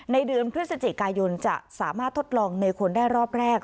ในเดือนพฤศจิกายนจะสามารถทดลองในคนได้รอบแรก